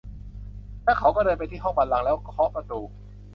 แล้วเขาก็เดินไปที่ห้องบัลลังก์แล้วเคาะประตู